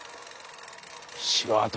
城跡。